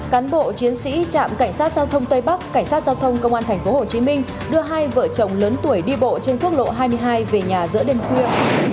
cán bộ chiến sĩ trạm cảnh sát giao thông tây bắc cảnh sát giao thông công an tp hcm đưa hai vợ chồng lớn tuổi đi bộ trên quốc lộ hai mươi hai về nhà giữa đêm khuya